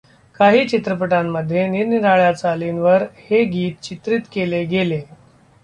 काही चित्रपटांमध्ये निरनिराळ्या चालींवर हे गीत चित्रित केले गेले.